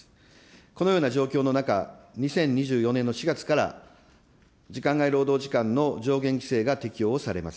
このような状況の中、２０２４年の４月から時間外労働時間の上限規制が適用をされます。